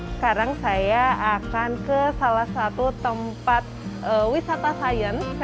sekarang saya akan ke salah satu tempat wisata sains